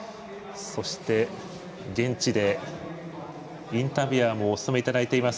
そして、現地でインタビュアーもお務めいただいています